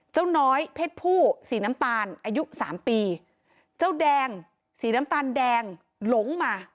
น้อยเพศผู้สีน้ำตาลอายุสามปีเจ้าแดงสีน้ำตาลแดงหลงมา